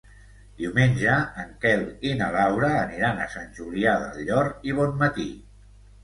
Diumenge en Quel i na Laura aniran a Sant Julià del Llor i Bonmatí.